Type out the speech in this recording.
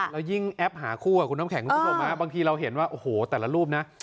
แล้วยิ่งแอปหาคู่คุณน้ำแข็งคุณผู้ชมบางทีเราเห็นว่าโอ้โหแต่ละรูปนะ